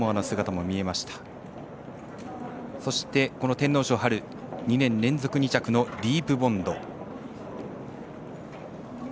天皇賞、２年連続２着のディープボンド。